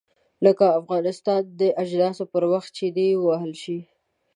لکه افغانستان د اجناسو پر وخت چنې ووهل شي.